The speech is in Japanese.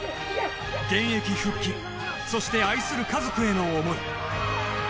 現役復帰そして愛する家族への想い